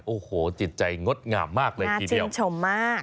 โอ้โหจิตใจงดงามมากเลยทีเดียวชื่นชมมาก